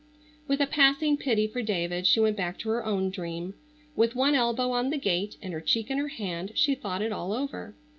With a passing pity for David she went back to her own dream. With one elbow on the gate and her cheek in her hand she thought it all over.